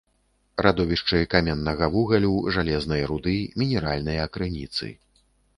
Радовішчы каменнага вугалю, жалезнай руды, мінеральныя крыніцы.